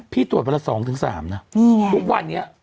พี่ตรวจวันละ๒๓นะทุกวันนี้